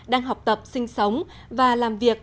đang học tập sinh sống và làm việc